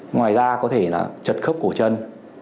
ngoài ra có thể là chật khớp cổ chân